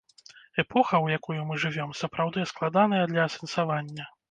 Эпоха, у якую мы жывём, сапраўды складаная для асэнсавання.